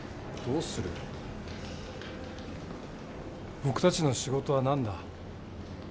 僕たちの仕事はなんだ？